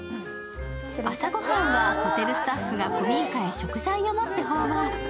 朝ご飯はホテルスタッフが古民家へ食材を持って訪問。